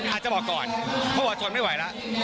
อาจจะบอกก่อนเพราะว่าทนไม่ไหวแล้ว